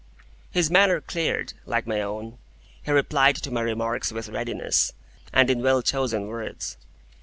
His manner cleared, like my own. He replied to my remarks with readiness, and in well chosen words.